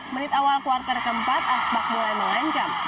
menit awal kuartal keempat aspak mulai mengancam